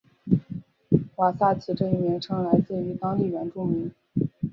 瓦萨奇这一名称来自于当地原住民。